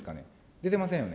出てませんよね。